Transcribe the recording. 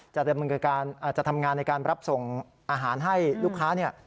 จะทำงานในการรับส่งอาหารให้ลูกค้า